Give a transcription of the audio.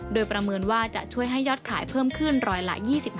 โดยประเมินว่าจะช่วยให้ยอดขายเพิ่มขึ้นร้อยละ๒๕